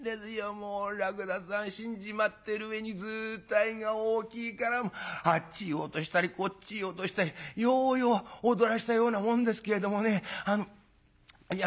もうらくださん死んじまってる上に図体が大きいからあっちへ落としたりこっちへ落としたりようよう踊らせたようなもんですけれどもねいや